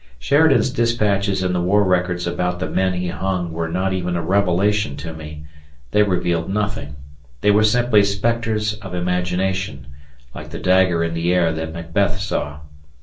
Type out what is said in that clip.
Sheridan's dispatches in the War Records about the men he hung were not even a revelation to me, they revealed nothing. They were simply spectres of imagination, like the dagger in the air that Macbeth saw.